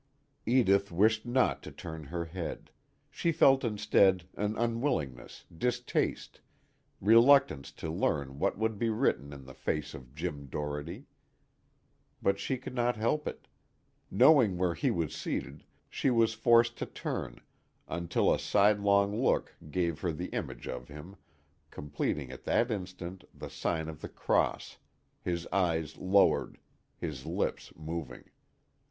Edith wished not to turn her head; she felt instead an unwillingness, distaste, reluctance to learn what would be written in the face of Jim Doherty. But she could not help it. Knowing where he was seated, she was forced to turn until a sidelong look gave her the image of him, completing at that instant the sign of the cross, his eyes lowered, his lips moving.